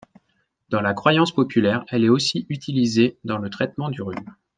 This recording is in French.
Dans la croyance populaire, elle est aussi utilisée dans le traitement du rhume.